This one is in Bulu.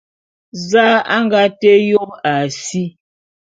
Za a nga té yôp a si?